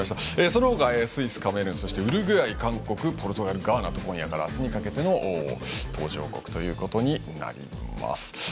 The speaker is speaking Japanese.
その他、スイス、カメルーンそして、ウルグアイ、韓国ポルトガルガーナと今夜から明日にかけての登場国となります。